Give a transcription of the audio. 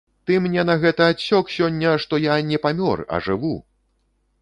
Ты мне на гэта адсек сёння, што я не памёр, а жыву!